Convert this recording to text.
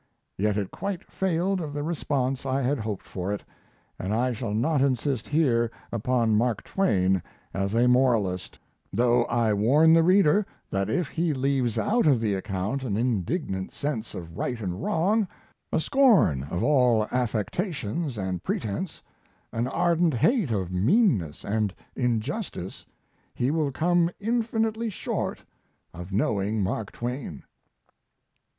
Yet it quite failed of the response I had hoped for it, and I shall not insist here upon Mark Twain as a moralist; though I warn the reader that if he leaves out of the account an indignant sense of right and wrong, a scorn of all affectations and pretense, an ardent hate of meanness and injustice, he will come infinitely short of knowing Mark Twain.